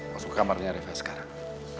masuk ke kamarnya reva sekarang